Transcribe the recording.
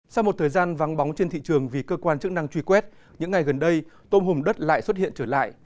sau một thời gian vắng bóng trên thị trường vì cơ quan chức năng truy quét những ngày gần đây tôm hùm đất lại xuất hiện trở lại